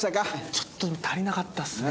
ちょっと足りなかったですね。